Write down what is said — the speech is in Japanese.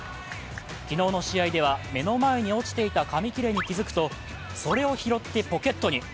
昨日の試合では目の前に落ちていた紙切れに気付くとそれを拾ってポケットに。